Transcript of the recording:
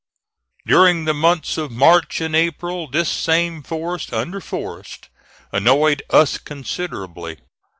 During the months of March and April this same force under Forrest annoyed us considerably.